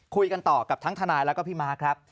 คุยกันต่อกับทั้งทนายแล้วก็พี่ม้าครับ